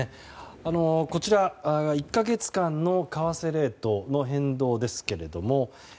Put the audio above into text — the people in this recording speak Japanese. こちら１か月間の為替レートの変動ですけれども。